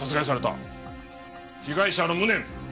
被害者の無念